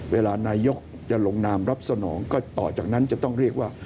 นายกจะลงนามรับสนองก็ต่อจากนั้นจะต้องเรียกว่า